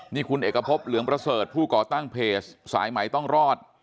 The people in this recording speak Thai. นี่คุณเอกพบเหลืองประเสริฐผู้ก่อตั้งเพจสายใหม่ต้องรอด